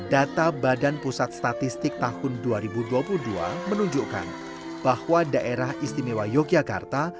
data badan pusat statistik tahun dua ribu dua puluh dua menunjukkan bahwa daerah istimewa yogyakarta